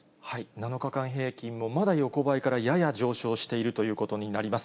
７日間平均もまだ横ばいからやや上昇しているということになります。